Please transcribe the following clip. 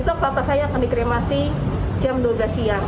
besok bapak saya akan dikremasi jam dua belas siang